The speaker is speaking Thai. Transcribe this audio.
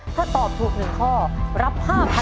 ถ้าตอบถูก๑ข้อรับ๕๐๐๐